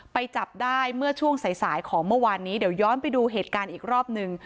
ไปจับได้เมื่อช่วงสายสายของเมื่อวานนี้เดี๋ยวย้อนไปดูเหตุการณ์อีกรอบหนึ่ง